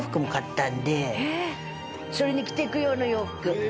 それに着ていく用の洋服。